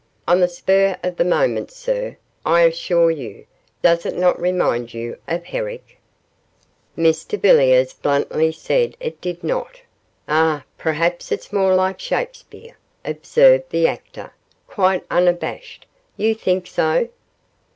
On the spur of the moment, sir, I assure you; does it not remind you of Herrick?' Mr Villiers bluntly said it did not. 'Ah! perhaps it's more like Shakespeare?' observed the actor, quite unabashed. 'You think so?